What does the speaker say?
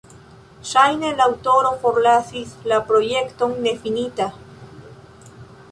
Ŝajne la aŭtoro forlasis la projekton nefinita.